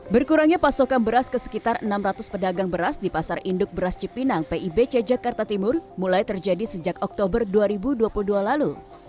berkurangnya pasokan beras ke sekitar enam ratus pedagang beras di pasar induk beras cipinang pibc jakarta timur mulai terjadi sejak oktober dua ribu dua puluh dua lalu